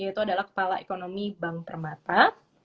yaitu adalah kepala ekonomi bank termata